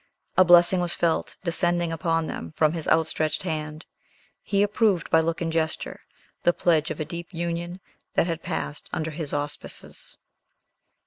A blessing was felt descending upon them from his outstretched hand; he approved by look and gesture the pledge of a deep union that had passed under his auspices.